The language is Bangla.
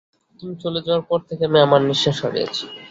তুমি চলে যাওয়ার পর থেকে আমি আমার নিশ্বাস হারিয়েছি।